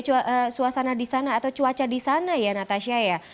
jadi suasana di sana atau cuaca di sana ya natasha ya